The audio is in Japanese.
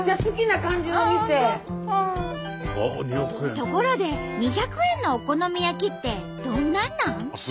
ところで２００円のお好み焼きってどんなんなん？